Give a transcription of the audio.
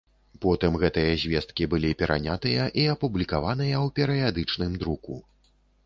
Потым гэтыя звесткі былі перанятыя і апублікаваныя ў пэрыядычным друку.